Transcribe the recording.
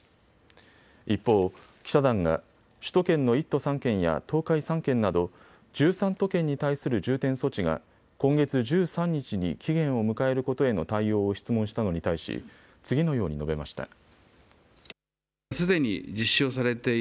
一方、記者団が首都圏の１都３県や東海３県など１３都県に対する重点措置が今月１３日に期限を迎えることへの対応を質問したのに対し次のように述べました。